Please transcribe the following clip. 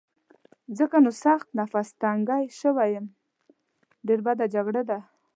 ځکه نو سخت نفس تنګی شوی یم، ډېره بده جګړه ده.